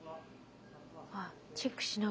あっチェックしながら。